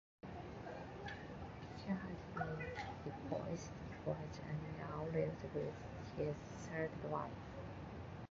He has been divorced twice and now lives with his third wife.